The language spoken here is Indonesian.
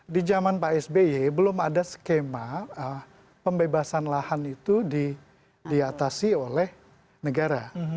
di zaman pak sby belum ada skema pembebasan lahan itu diatasi oleh negara